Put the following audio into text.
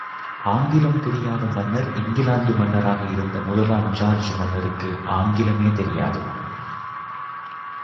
ஆங்கிலம் தெரியாத மன்னர் இங்கிலாந்து மன்னராக இருந்த முதலாம் ஜார்ஜ் மன்னருக்கு ஆங்கிலமே தெரியாது.